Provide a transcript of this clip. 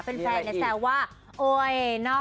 เป็นแฟนแซว่า